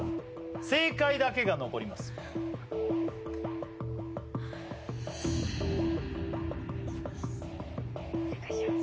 正解だけが残りますお願いします